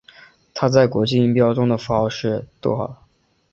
它在国际音标中的符号是。